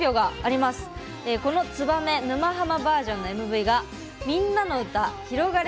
「ツバメ沼ハマバージョン」のＭＶが「みんなのうたひろがれ！